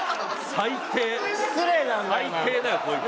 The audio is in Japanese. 最低だよこいつ。